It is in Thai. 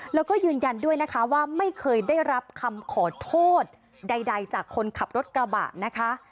แล้วก็ยืนยันด้วยนะคะว่าไม่เคยได้รับคำขอโทษใดจากคนขับรถกระบะนะคะ